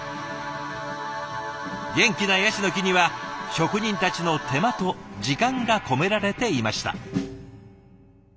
元気なヤシの木には職人たちの手間と時間が込められていました。